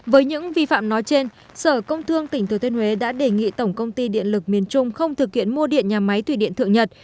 với những vi phạm nói trên sở công thương tỉnh thừa thiên huế đã đề nghị tổng công ty điện lực miền trung không thực hiện mua điện nhà máy thủy điện thượng nhật